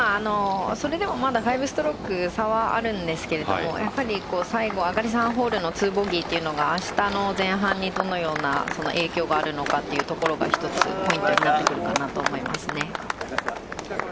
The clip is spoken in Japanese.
それでも、まだ５ストローク差はあるんですけども最後、上がり３ホールの２ボギーが明日の前半にどのような影響があるのかというところが一つ見てみたいかなと思います。